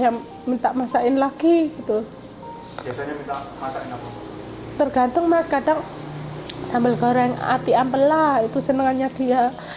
yang minta masain lagi gitu tergantung mah kadang sambal goreng ati ampel lah itu senangannya dia